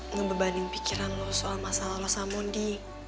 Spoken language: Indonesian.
ngebebanin pikiran lo soal masalah lo sama mondi